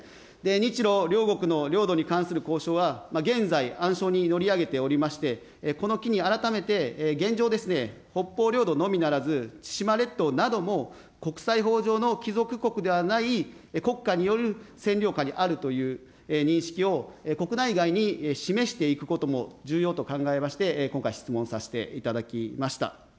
日ロ両国の領土に関する交渉は現在、暗礁に乗り上げておりまして、この機に改めて現状ですね、北方領土のみならず、千島列島なども国際法上の帰属国ではない国家による占領下にあるという認識を国内外に示していくことも重要と考えまして、今回、質問させていただきました。